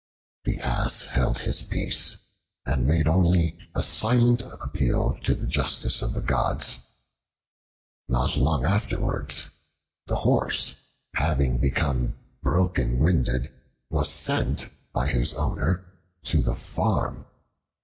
The Ass held his peace, and made only a silent appeal to the justice of the gods. Not long afterwards the Horse, having become broken winded, was sent by his owner to the farm.